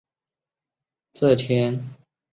这天是不列颠空战的转折点。